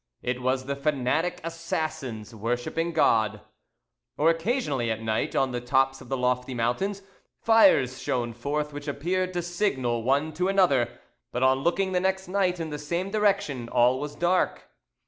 It was the fanatic assassins worshipping God. Or occasionally at night, on the tops of the lofty mountains, fires shone forth which appeared to signal one to another, but on looking the next night in the same direction all was dark.